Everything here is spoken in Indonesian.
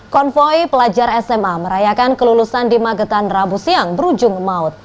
konvoy pelajar sma merayakan kelulusan di magetan rabu siang berujung maut